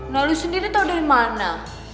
nah lo sendiri tau dari mana